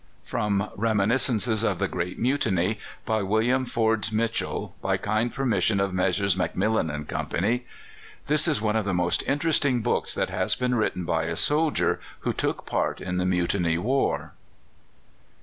From "Reminiscences of the Great Mutiny," by William Forbes Mitchell. By kind permission of Messrs. Macmillan and Co. This is one of the most interesting books that has been written by a soldier who took part in the Mutiny War.